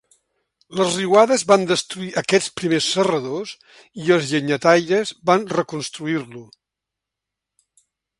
Les riuades van destruir aquests primers serradors i els llenyataires van reconstruir-lo.